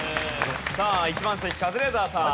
さあ１番席カズレーザーさん。